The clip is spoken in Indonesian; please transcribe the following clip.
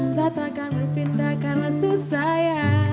sa terakan berpindah karena susah ya